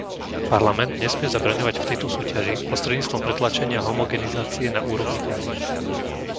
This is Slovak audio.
Parlament nesmie zabraňovať v tejto súťaži prostredníctvom pretláčania homogenizácie na úrovni Únie.